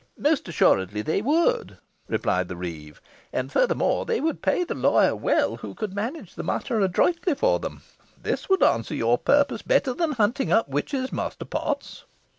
"Most assuredly they would," replied the reeve; "and furthermore, they would pay the lawyer well who could manage the matter adroitly for them. This would answer your purpose better than hunting up witches, Master Potts."